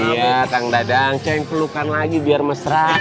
iya kang dadang ceng pelukan lagi biar mesra